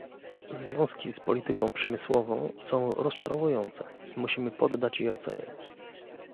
Związki z polityką przemysłową są rozczarowujące i musimy poddać je ocenie